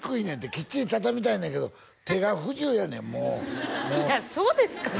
きっちり畳みたいねんけど手が不自由やねんもういやそうですかね